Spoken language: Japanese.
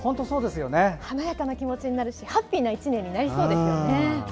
華やかな気持ちになるしハッピーな１年になりそうですね。